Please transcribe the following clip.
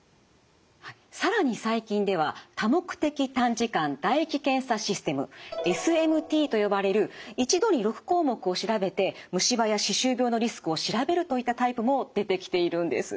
更に最近では多目的短時間唾液検査システムＳＭＴと呼ばれる一度に６項目を調べて虫歯や歯周病のリスクを調べるといったタイプも出てきているんです。